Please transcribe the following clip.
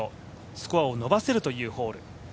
スコアを伸ばせるというホール。